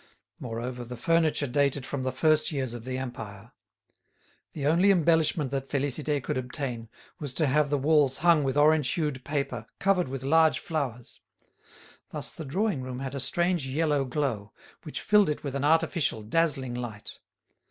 Moreover, the furniture dated from the first years of the Empire. The only embellishment that Félicité could obtain was to have the walls hung with orange hued paper covered with large flowers. Thus the drawing room had a strange yellow glow, which filled it with an artificial dazzling light.